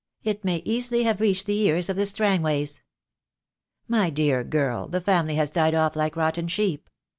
It may easily have reached the ears of the Strangways." "My dear girl, the family has died off like rotten sheep.